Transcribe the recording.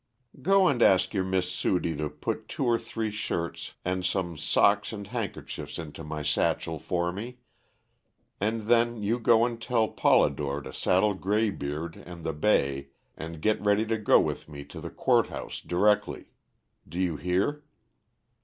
"Go and ask your Miss Sudie to put two or three shirts, and some socks and handkerchiefs into my satchel for me, and then you go and tell Polidore to saddle Graybeard and the bay, and get ready to go with me to the Court House directly. Do you hear?"